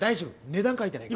値段書いてない。